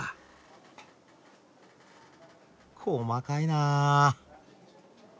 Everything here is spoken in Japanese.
細かいなあ。